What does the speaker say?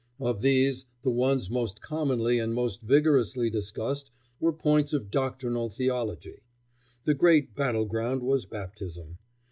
Of these, the ones most commonly and most vigorously discussed were points of doctrinal theology. The great battle ground was baptism.